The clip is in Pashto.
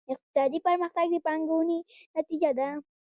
اقتصادي پرمختګ د پانګونې نتیجه ده.